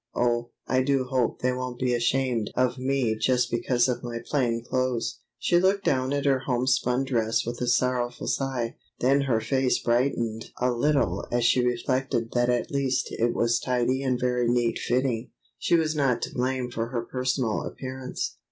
Oh, I do hope they won't be ashamed of me just because of my plain clothes." She looked down at her homespun dress with a sorrowful sigh. Then her face brightened a little as she reflected that at least it was tidy and very neat fitting. She was not to blame for her personal appearance.